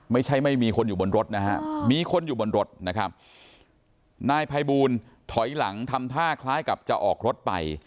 ไม่มีคนอยู่บนรถนะฮะมีคนอยู่บนรถนะครับนายภัยบูลถอยหลังทำท่าคล้ายกับจะออกรถไป